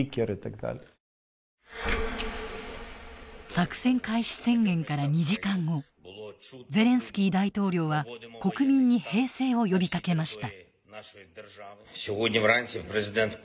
作戦開始宣言から２時間後ゼレンスキー大統領は国民に平静を呼びかけました。